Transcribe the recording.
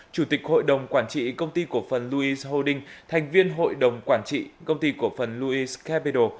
chủ tịch hội đồng quản trị công ty cổ phần louice holding thành viên hội đồng quản trị công ty cổ phần louice capital